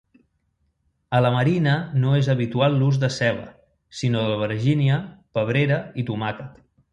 A la Marina no és habitual l'ús de ceba, sinó d'albergínia, pebrera i tomàquet.